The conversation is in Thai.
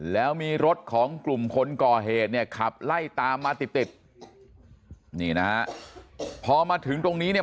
แล้วมีรถของกลุ่มคนก่อเหตุเนี่ยขับไล่ตามมาติดติดนี่นะฮะพอมาถึงตรงนี้เนี่ย